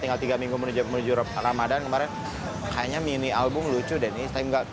tinggal tiga minggu menuju ramadan kemarin kayaknya mini album lucu dan ini